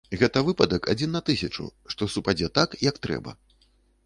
Гэта выпадак адзін на тысячу, што супадзе так, як трэба.